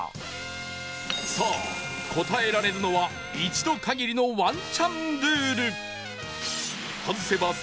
さあ答えられるのは一度限りのワンチャンルール